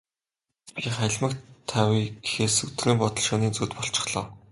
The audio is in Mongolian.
Би халимаг тавья гэхээс өдрийн бодол, шөнийн зүүд болчихлоо.